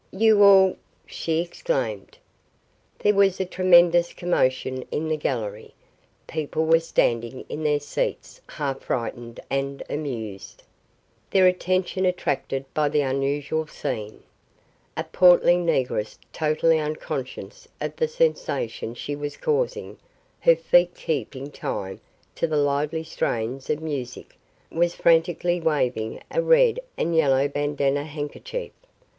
"You all !" she exclaimed. There was a tremendous commotion in the gallery. People were standing in their seats half frightened and amused, their attention attracted by the unusual scene. A portly negress totally unconscious of the sensation she was causing, her feet keeping time to the lively strains of music, was frantically waving a red and yellow bandanna handkerchief.